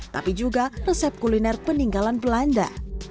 tapi juga resep kuliner peninggalan belanda